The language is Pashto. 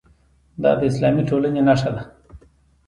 دا د اسلامي ټولنې نښه ده.